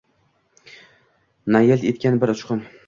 Na yilt etgan bir uchqun.